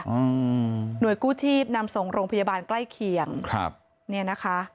อืมหน่วยกู้ชีพนำส่งโรงพยาบาลใกล้เคียงครับเนี่ยนะคะ